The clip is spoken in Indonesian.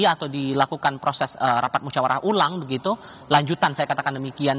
atau dilakukan proses rapat musyawarah ulang begitu lanjutan saya katakan demikian